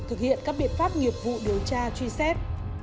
thực hiện các biện pháp nghiệp vụ điều tra truy xét